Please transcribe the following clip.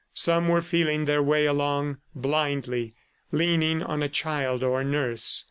Some were feeling their way along, blindly, leaning on a child or nurse.